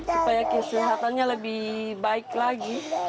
supaya kesehatannya lebih baik lagi